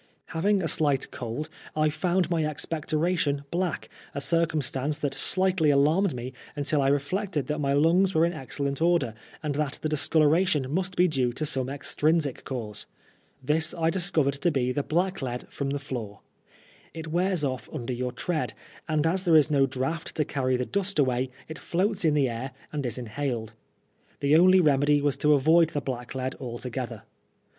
Having a slight cold, I found my expectoration black, a circumstance that slightly alarmed me until I reflected that my lungs were in excellent order, and that the discoloration must be due to some extrinsic cause. This I discovered to be the blacklead from the floor. It wears ofE under your tread, and as there is no draught to carry the dust away, it floats in the air and is inhaled. The only remedy was to avoid the blacklead altogetiier.